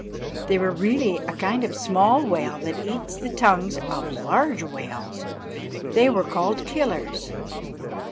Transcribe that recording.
_] They were really a kind of small whale that eats the tongues of large whales. They were called killers.